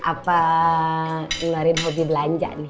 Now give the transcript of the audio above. apa ngeluarin hobi belanja nih